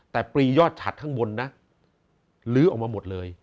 แต่ปรียอดฉัดข้างบนนะลื้อออกมาหมดเลย